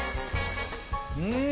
うん！